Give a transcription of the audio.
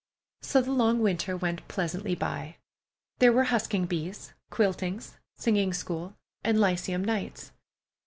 So the long winter went pleasantly by. There were husking bees, quiltings, singing school, and Lyceum nights.